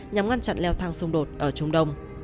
nhằm ngăn chặn leo thang xung đột ở trung đông